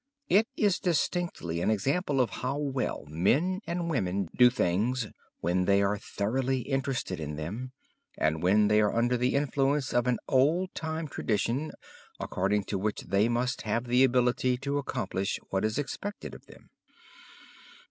It is distinctly an example of how well men and women do things when they are thoroughly interested in them, and when they are under the influence of an old time tradition according to which they must have the ability to accomplish what is expected of them.